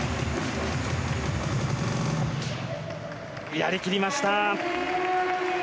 やりきりました。